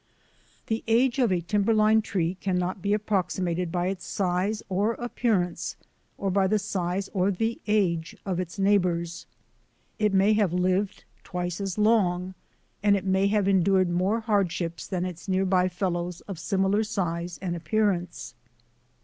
The age of a timberline tree cannot be approxi mated by its size or appearance or by the size or the age of its neighbours. It may have lived twice as long, and it may have endured more hardships than its near by fellows of similar size and appear ance.